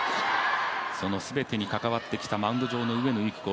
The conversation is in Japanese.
その全てに関わってきたマウンド上の上野由岐子。